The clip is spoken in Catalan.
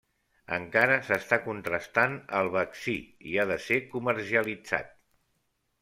Encara s'està contrastant el vaccí i ha de ser comercialitzat.